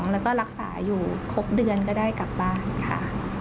แล้วก็รักษาอยู่ครบเดือนก็ได้กลับบ้านค่ะ